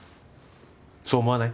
そう思わない？